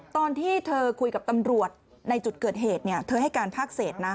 ตอนที่เธอคุยกับตำรวจในจุดเกิดเหตุเธอให้การภาคเศษนะ